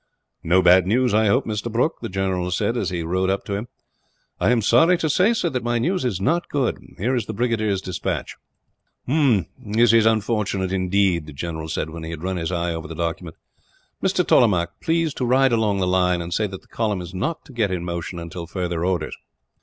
"No bad news, I hope, Mr. Brooke?" the general said, as he rode up to him. "I am sorry to say, sir, that my news is not good. Here is the brigadier's despatch." "This is unfortunate, indeed," the general said, when he had run his eye over the document. "Mr. Tollemache, please to ride along the line, and say that the column is not to get into motion until further orders."